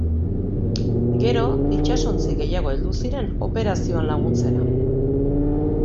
Gero, itsasontzi gehiago heldu ziren operazioan laguntzera.